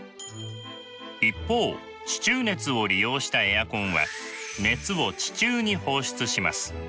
一方地中熱を利用したエアコンは熱を地中に放出します。